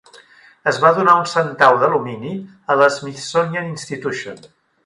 Es va donar un centau d'alumini a l'Smithsonian Institution.